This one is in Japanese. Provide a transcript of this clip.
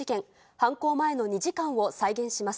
犯行前の２時間を再現します。